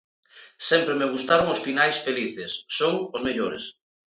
Sempre me gustaron os finais felices, son os mellores.